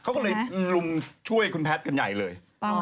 เขาก็เลยลุมช่วยคุณแพทย์กันใหญ่เลย